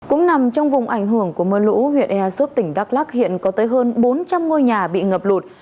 cũng nằm trong vùng ảnh hưởng của mưa lũ huyện ea súp tỉnh đắk lắc hiện có tới hơn bốn trăm linh ngôi nhà bị ngập lụt